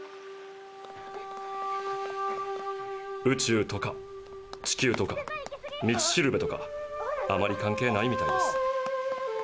宇宙とか地球とか道しるべとかあまり関係ないみたいです。